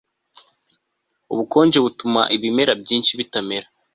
Ubukonje butuma ibimera byinshi bitamera